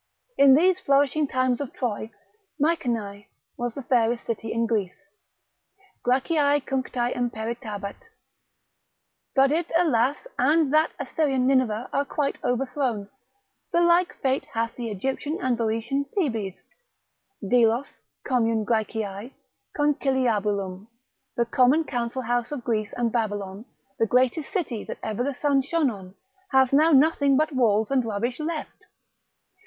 In those flourishing times of Troy, Mycenae was the fairest city in Greece, Graeciae cunctae imperitabat, but it, alas, and that Assyrian Nineveh are quite overthrown: the like fate hath that Egyptian and Boeotian Thebes, Delos, commune Graeciae, conciliabulum, the common council house of Greece, and Babylon, the greatest city that ever the sun shone on, hath now nothing but walls and rubbish left.